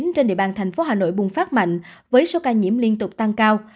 trên địa bàn thành phố hà nội bùng phát mạnh với số ca nhiễm liên tục tăng cao